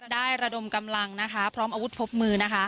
ได้ระดมกำลังพร้อมอาวุธพบมือ